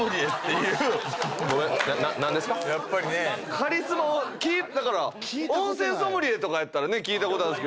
カリスマ温泉ソムリエとかやったらね聞いたことあるんすけど。